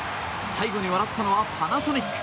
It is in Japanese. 最後に笑ったのはパナソニック。